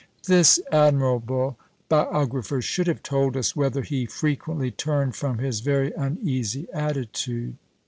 This admirable biographer should have told us whether he frequently turned from his very uneasy attitude.